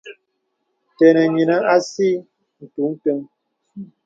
Tə́nə̀ nyinə asì ntǔ kəŋ.